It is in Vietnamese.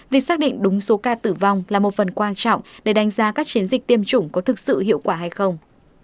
việc xác định đúng số ca tử vong là một phần quan trọng để đánh giá các chiến dịch tiêm chủng có thực sự hiệu quả hay không